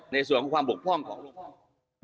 ในส่วนความปกพร่องของโลกพ่อง